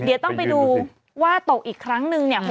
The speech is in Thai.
เดี๋ยวต้องไปดูว่าตกอีกครั้งนึงเนี่ย